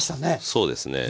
そうですね。